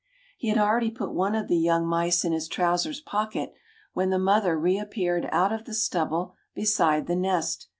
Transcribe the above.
He had already put one of the young mice in his trousers pocket when the mother reappeared out of the stubble beside the nest.